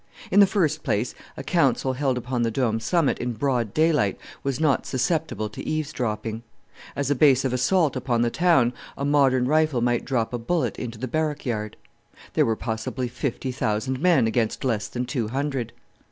In the first place, a council held upon the Dome's summit in broad daylight was not susceptible to eavesdropping. As a base of assault upon the town, a modern rifle might drop a bullet into the barrack yard. There were possibly fifty thousand men against less than two hundred!